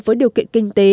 với điều kiện kinh tế